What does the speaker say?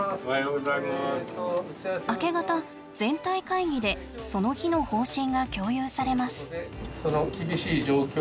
明け方全体会議でその日の方針が共有されます。